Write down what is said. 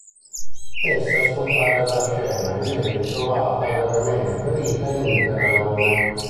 Tessa scompare dalla scena e viene ritrovata gravemente ferita in un canalone.